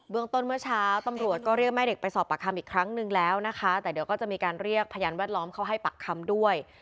ต้นเมื่อเช้าตำรวจก็เรียกแม่เด็กไปสอบปากคำอีกครั้งนึงแล้วนะคะแต่เดี๋ยวก็จะมีการเรียกพยานแวดล้อมเข้าให้ปากคำด้วย